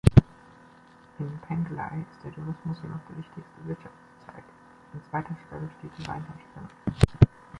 In Penglai ist der Tourismus jedoch der wichtigste Wirtschaftszweig, an zweiter Stelle steht die Weinherstellung.